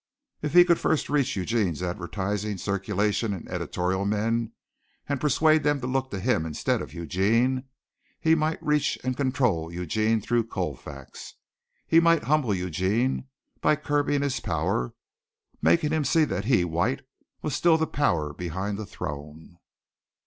If he could first reach Eugene's advertising, circulation and editorial men and persuade them to look to him instead of to Eugene, he might later reach and control Eugene through Colfax. He might humble Eugene by curbing his power, making him see that he, White, was still the power behind the throne.